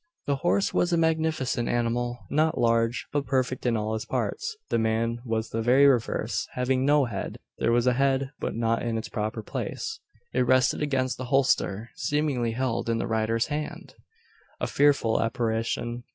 The horse was a magnificent animal, not large, but perfect in all his parts. The man was the very reverse having no head! There was a head, but not in its proper place. It rested against the holster, seemingly held in the rider's hand! A fearful apparition.